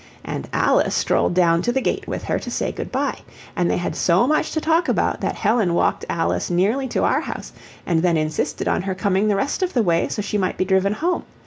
And Alice strolled down to the gate with her to say good by; and they had so much to talk about that Helen walked Alice nearly to our house, and then insisted on her coming the rest of the way so she might be driven home.